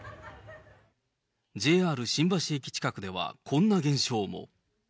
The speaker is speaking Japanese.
ＪＲ新橋駅近くではこんな現象も。